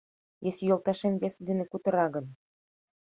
Если йолташем весе дене кутыра гын